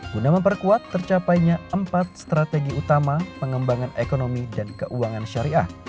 guna memperkuat tercapainya empat strategi utama pengembangan ekonomi dan keuangan syariah